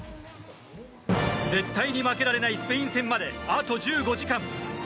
絶対に負けられないスペイン戦まであと１５時間。